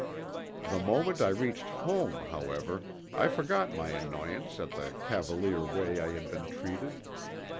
The moment I reached home, however, I forgot my annoyance at the cavalier way I had been treated.